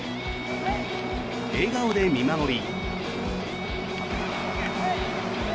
笑顔で見守り。